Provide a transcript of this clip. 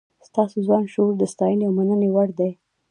ستاسو ځوان شعور د ستاینې او مننې وړ دی.